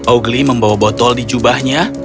owgli membawa botol di jubahnya